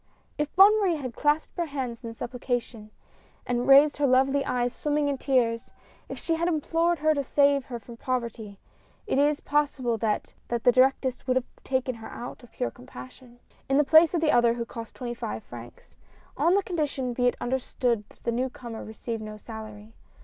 If Bonne Marie had clasped her hands in supplicar tion, and raised her lovely eyes swimming in tears ; if she had implored her to save her from poverty, it is possible that the directress would have taken her out of pure compassion, in the place of the other who cost twenty five francs — on the condition be it understood that the new comer received no salary.